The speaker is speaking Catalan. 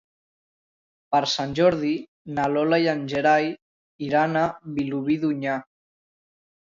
Per Sant Jordi na Lola i en Gerai iran a Vilobí d'Onyar.